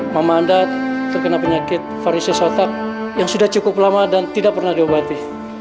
mama anda terkena penyakit varices otak yang sudah cukup lama dan tidak pernah diobati